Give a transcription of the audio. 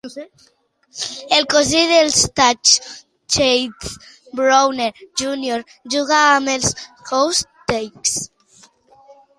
El cosí de Starks, Keith Browner, júnior juga amb els Houston Texas.